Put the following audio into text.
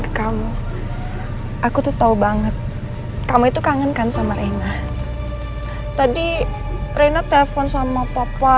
ke kamu aku tuh tahu banget kamu itu kangen kan sama reina tadi reina telepon sama papa